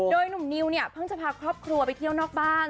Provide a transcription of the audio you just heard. โดยหนุ่มนิวเนี่ยเพิ่งจะพาครอบครัวไปเที่ยวนอกบ้าน